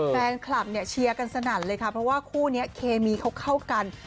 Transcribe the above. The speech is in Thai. แฟนคลับเนี่ยเชียร์กันสนั่นเลยค่ะเพราะว่าคู่นี้เคมีเขาเข้ากัน